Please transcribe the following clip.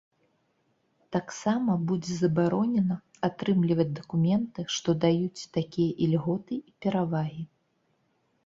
Таксама будзе забаронена атрымліваць дакументы, што даюць такія ільготы і перавагі.